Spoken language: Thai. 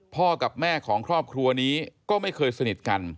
กับแม่ของครอบครัวนี้ก็ไม่เคยสนิทกัน